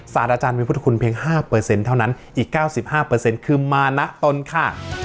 ศาลอาจารย์มีพุทธคุณเพียงห้าเปอร์เซ็นต์เท่านั้นอีกเก้าสิบห้าเปอร์เซ็นต์คือมานะตนค่ะ